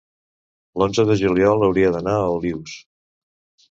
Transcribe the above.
l'onze de juliol hauria d'anar a Olius.